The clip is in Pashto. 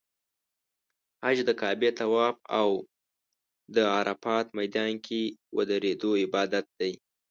حج د کعبې طواف او د عرفات میدان کې د ودریدو عبادت دی.